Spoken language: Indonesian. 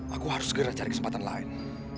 aku harus segera cari kesempatan lain